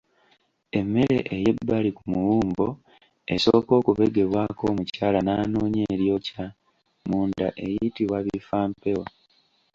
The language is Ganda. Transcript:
Emmere eyebbali ku muwumbo esooka okubegebwako omukyala n’anoonya eryokya munda eyitibwa Bifampewo.